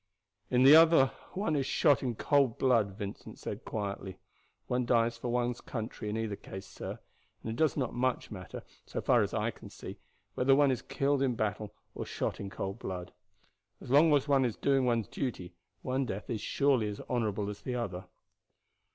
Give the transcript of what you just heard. "In the other one is shot in cold blood," Vincent said quietly. "One dies for one's country in either case, sir; and it does not much matter, so far as I can see, whether one is killed in battle or shot in cold blood. As long as one is doing one's duty, one death is surely as honorable as the other."